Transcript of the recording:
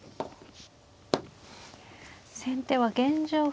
先手は現状